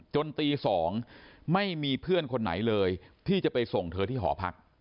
จนตี๒ไม่มีเพื่อนคนไหนเลยที่จะไปส่งเธอที่หอพัก